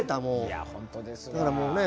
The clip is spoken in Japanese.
いや本当ですね。